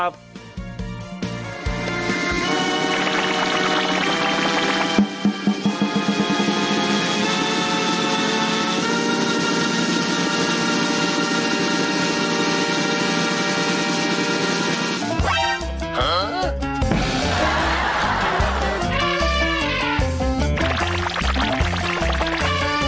สวัสดีครับ